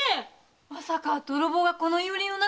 まさか泥棒が庵の中に？